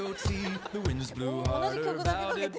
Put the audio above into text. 同じ曲だけかけて。